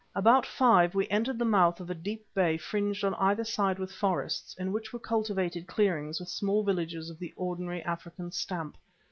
About five we entered the mouth of a deep bay fringed on either side with forests, in which were cultivated clearings with small villages of the ordinary African stamp.